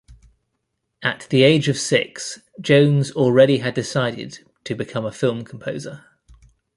At the age of six, Jones already had decided to become a film composer.